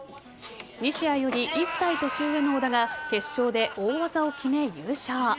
西矢より１歳年上の織田が決勝で大技を決め、優勝。